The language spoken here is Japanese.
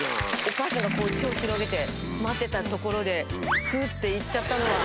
お母さんがこう手を広げて待ってたところでスって行っちゃったのは。